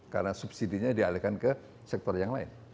karena subsidi nya dialihkan ke sektor yang lain